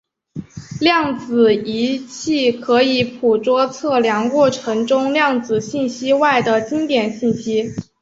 量子仪器可以捕捉测量过程中量子信息外的经典信息。